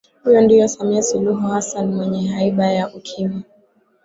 Huyu ndiyo Samia Suluhu Hassan mwenye haiba ya ukimya